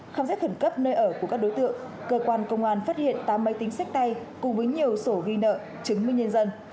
khám xét khẩn cấp nơi ở của các đối tượng cơ quan công an phát hiện tám máy tính sách tay cùng với nhiều sổ ghi nợ chứng minh nhân dân